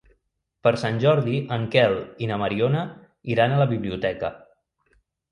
Per Sant Jordi en Quel i na Mariona iran a la biblioteca.